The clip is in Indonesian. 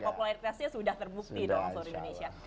popularitasnya sudah terbukti dong seluruh indonesia